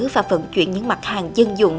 và phận chuyển những mặt hàng dân dụng